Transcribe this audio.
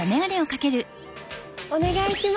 お願いします。